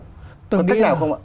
có cách nào không ạ